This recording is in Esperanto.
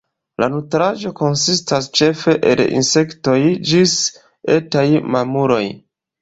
La nutraĵo konsistas ĉefe el insektoj ĝis etaj mamuloj.